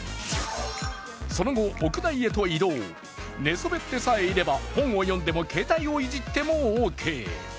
その後、屋内へと移動、寝そべってさえいれば本を読んでも、携帯をいじってもＯＫ。